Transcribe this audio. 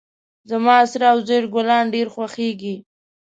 زما سره او زیړ ګلان ډیر خوښیږي